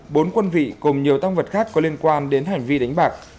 bốn quân vị cùng nhiều tăng vật khác có liên quan đến hành vi đánh bạc